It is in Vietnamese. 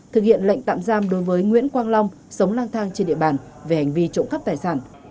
thực hiện lệnh tạm giam đối với nguyễn quang long sống lang thang trên địa bàn về hành vi trộm cắp tài sản